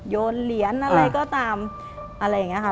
โดนเลี้ยนอะไรก็ตามอะไรไงค่ะ